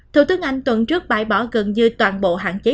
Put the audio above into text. thủ tướng anh tuần trước bãi bỏ gần như toàn bộ hạn chế